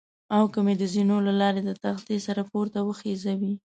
او که مې د زینو له لارې د تختې سره پورته وخېژوي.